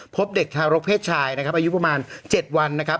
พบเด็กทารกเพศชายนะครับอายุประมาณ๗วันนะครับ